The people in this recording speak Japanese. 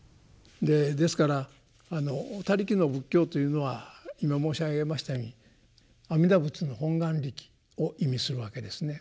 ですから「他力」の仏教というのは今申し上げましたように阿弥陀仏の本願力を意味するわけですね。